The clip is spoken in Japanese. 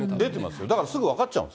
だからすぐ分かっちゃいます。